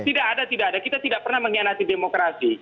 tidak ada tidak ada kita tidak pernah mengkhianati demokrasi